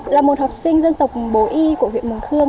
là một học sinh dân tộc bố y của huyện mường khương